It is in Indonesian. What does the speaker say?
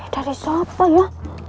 dari siapa ya